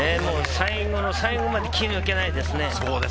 最後の最後まで気が抜けないですね。